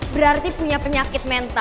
berarti punya penyakit mental